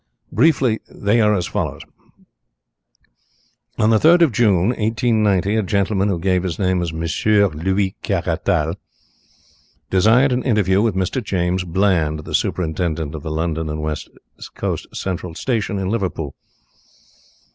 Briefly, they are as follows: On the 3rd of June, 1890, a gentleman, who gave his name as Monsieur Louis Caratal, desired an interview with Mr. James Bland, the superintendent of the London and West Coast Central Station in Liverpool.